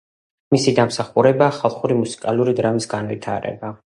მისი დამსახურებაა ხალხური მუსიკალური დრამის განვითარება.